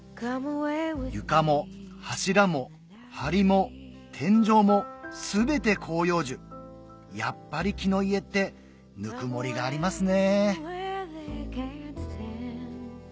床も柱も梁も天井も全て広葉樹やっぱり木の家ってぬくもりがありますね